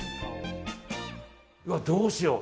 うわ、どうしよう。